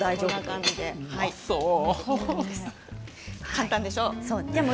簡単でしょう？